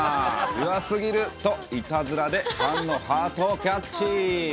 ピュアすぎる！と、いたずらでファンのハートをキャッチ。